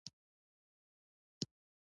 چې ته خو په دې وژنه کې هېڅ ګناه نه لرې .